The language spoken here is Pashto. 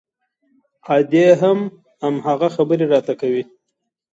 ادې هم هماغه خبرې راته کوي.